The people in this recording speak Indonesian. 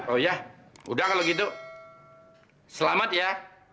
oh ya udah kalau gitu selamat ya